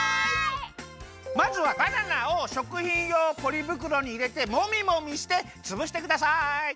まずはバナナをしょくひんようポリぶくろにいれてもみもみしてつぶしてください。